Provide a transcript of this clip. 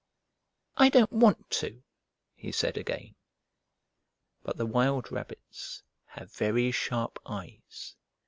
"I don't want to!" he said again. But the wild rabbits have very sharp eyes.